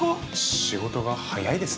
仕事が早いですね。